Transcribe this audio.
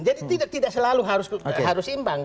jadi tidak selalu harus imbang